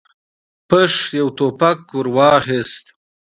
آهنګر يو ټوپک ور واخيست.